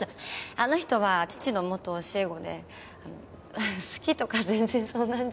あの人は父の元教え子で好きとか全然そんなんじゃ。